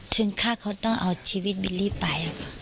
ฆ่าเขาต้องเอาชีวิตบิลลี่ไป